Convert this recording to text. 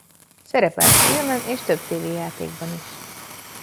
Szerepelt filmen és több tévéjátékban is.